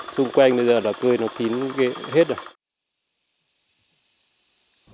xung quanh bây giờ là cười nó tín ghê hết rồi